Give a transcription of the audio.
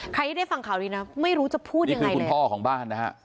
ใครที่ได้ฟังข่าวนี้นะไม่รู้จะพูดยังไงคุณพ่อของบ้านนะฮะ